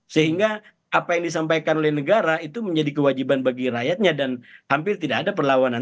sehingga apa yang disampaikan oleh negara itu menjadi kewajiban bagi rakyatnya dan hampir tidak ada perlawanan